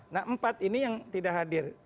nah empat ini yang tidak hadir